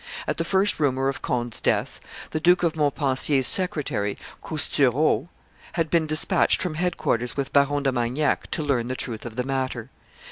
At the first rumor of Conde's death, the Duke of Montpensier's secretary, Coustureau, had been despatched from headquarters with Baron de Magnac to learn the truth of the matter.